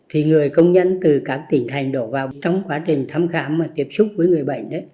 thì người công nhân từ các tỉnh thành đổ vào trong quá trình thăm khám và tiếp xúc với người bệnh